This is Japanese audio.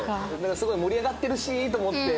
すごい盛り上がってるしと思って。